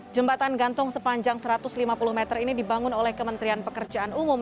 jembatan gantung sepanjang satu ratus lima puluh meter ini dibangun oleh kementerian pekerjaan umum